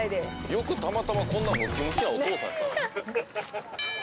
「よくたまたまこんなムキムキなお父さんやったな」